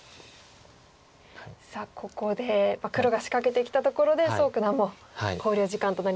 さあここで黒が仕掛けてきたところで蘇九段も考慮時間となりましたが。